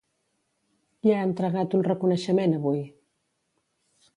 Qui ha entregat un reconeixement avui?